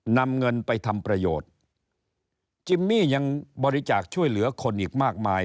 นำเงินไปทำประโยชน์จิมมี่ยังบริจาคช่วยเหลือคนอีกมากมาย